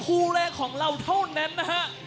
คู่แรกของเราเท่านั้นนะฮะ